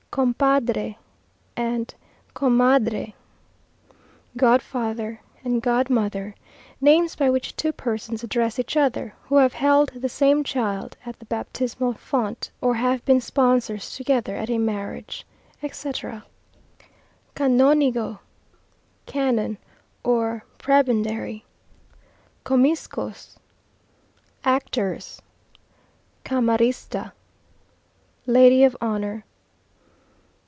Compadre and Comadre Godfather and Godmother; names by which two persons address each other, who have held the same child at the baptismal font, or have been sponsors together at a marriage, etc. Canonigo Canon or prebendary. Comicos Actors. Camarista Lady of honour.